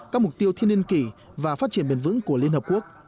các mục tiêu thiên niên kỷ và phát triển bền vững của liên hợp quốc